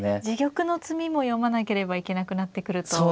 自玉の詰みも読まなければいけなくなってくると。